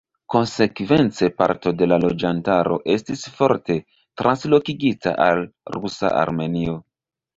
Konsekvence parto de la loĝantaro estis forte translokigita al rusa Armenio.